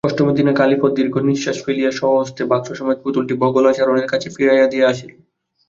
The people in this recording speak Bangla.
অষ্টমীর দিনে কালীপদ দীর্ঘনিশ্বাস ফেলিয়া স্বহস্তে বাক্সসমেত পুতুলটি বগলাচরণের কাছে ফিরাইয়া দিয়া আসিল।